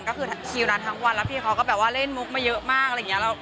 ก็คือคิวนั้นทั้งวันแล้วพี่เขาก็แบบว่าเล่นมุกมาเยอะมากอะไรอย่างนี้